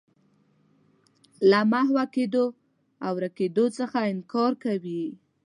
له محوه کېدو او ورکېدو څخه انکار کوي.